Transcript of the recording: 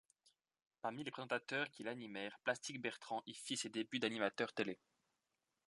Parmi les présentateurs qui l'animèrent, Plastic Bertrand y fit ses débuts d'animateurs télé.